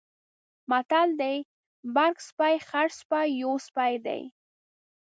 متل دی: برګ سپی، خړسپی یو سپی دی.